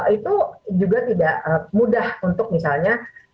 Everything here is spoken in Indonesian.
itu juga tidak mudah untuk misalnya